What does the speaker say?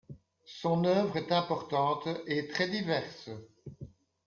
Son œuvre est importante et très diverse.